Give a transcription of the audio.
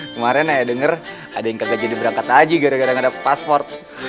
kemaren ayah denger ada yang kaga jadi berangkat haji gara gara ga dapat paspor